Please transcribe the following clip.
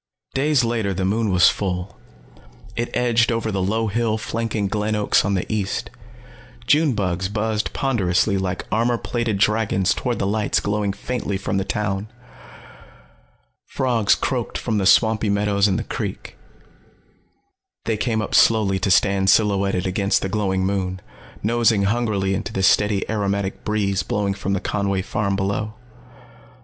Days later the moon was full. It edged over the low hill flanking Glen Oaks on the east. June bugs buzzed ponderously like armor plated dragons toward the lights glowing faintly from the town. Frogs croaked from the swampy meadows and the creek. They came up slowly to stand silhouetted against the glowing moon, nosing hungrily into the steady, aromatic breeze blowing from the Conway farm below.